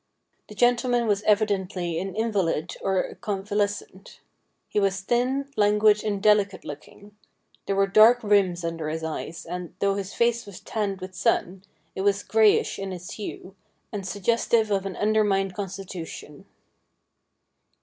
The gentleman was evidently an invalid or a convalescent. He was thin, languid, and delicate looking. There were dark rims under his eyes, and, though his face was tanned with sun, it was greyish in its hue, and suggestive of an under mined constitution.